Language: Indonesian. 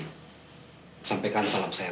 bapak sampaikan salam saya